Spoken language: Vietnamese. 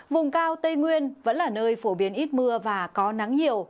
vùng cao tây nguyên vẫn là nơi phổ biến ít mưa và có nắng nhiều